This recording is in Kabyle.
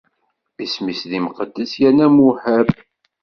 Isem-is d imqeddes yerna muhab.